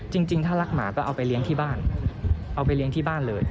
จริงถ้ารักหมาก็เอาไปเลี้ยงที่บ้านเอาไปเลี้ยงที่บ้านเลย